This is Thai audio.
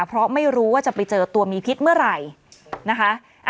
เพราะไม่รู้ว่าจะไปเจอตัวมีพิษเมื่อไหร่นะคะ